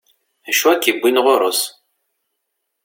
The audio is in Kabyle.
Acu ik-yewwin ɣur-s?